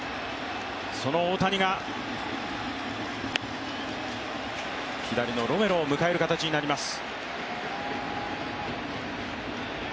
その大谷が左のロメロを迎える形になります。